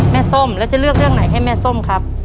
ส้มแล้วจะเลือกเรื่องไหนให้แม่ส้มครับ